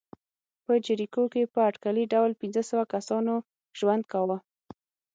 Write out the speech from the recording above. په جریکو کې په اټکلي ډول پنځه سوه کسانو ژوند کاوه.